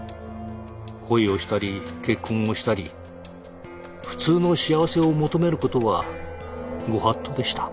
恋をしたり結婚をしたり普通の幸せを求めることは御法度でした。